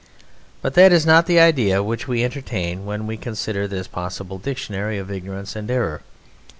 But that is not the idea which we entertain when we consider this possible Dictionary of Ignorance and Error.